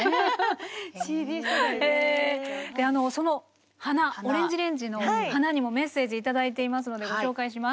そのＯＲＡＮＧＥＲＡＮＧＥの「花」にもメッセージ頂いていますのでご紹介します。